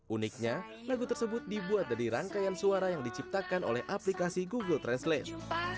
uniknya lagu tersebut dibuat dari rangkaian suara yang diciptakan oleh aplikasi google translate